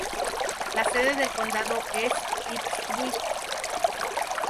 La sede del condado es Ipswich.